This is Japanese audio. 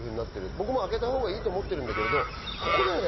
僕もあけたほうがいいと思ってるんだけど、ここだよね。